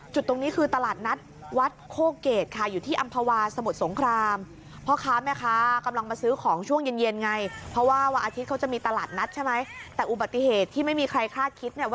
จุดตรงนี้คือตลาดนัดวัดโคเกตค่ะอยู่ที่อำภาวาสมุทรสงคราม